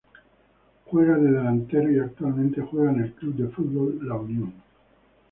Juega de delantero y actualmente juega en el Club de Fútbol La Unión.